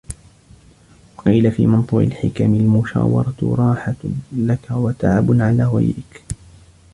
وَقِيلَ فِي مَنْثُورِ الْحِكَمِ الْمُشَاوَرَةُ رَاحَةٌ لَك وَتَعَبٌ عَلَى غَيْرِك